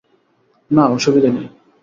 না, অসুবিধা নেই।